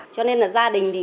cho nên là gia đình thì không